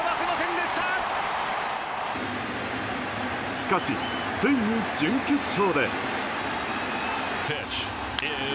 しかし、ついに準決勝で。